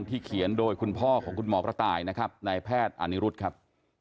เขียนโดยคุณพ่อของคุณหมอกระต่ายนะครับนายแพทย์อานิรุธครับ